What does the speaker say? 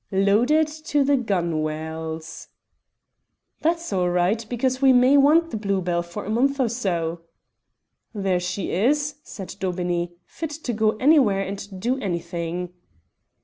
"Loaded to the gunwales." "That's all right, because we may want the Blue Bell for a month or so." "There she is," said Daubeney; "fit to go anywhere and do anything."